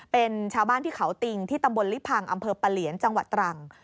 เป็นชาวบ้านที่เขาติงที่ตำบลลิพังอำเภอปะเหลียนจังหวัดตรัง